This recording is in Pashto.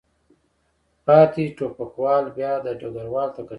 پاتې ټوپکوالو بیا ډګروال ته کتل.